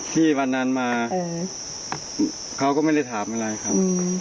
ที่วันนั้นมาเขาก็ไม่ได้ถามอะไรครับ